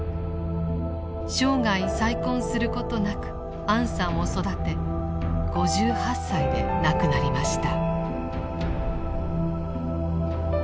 生涯再婚することなくアンさんを育て５８歳で亡くなりました。